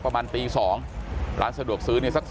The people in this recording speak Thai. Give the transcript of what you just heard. แต่ว่าวินนิสัยดุเสียงดังอะไรเป็นเรื่องปกติอยู่แล้วครับ